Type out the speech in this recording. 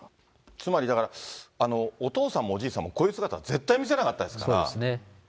つまりだから、お父さんもおじいさんも、こういう姿、絶対見せなかったですから。